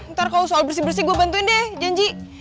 ntar kalau soal bersih bersih gue bantuin deh janji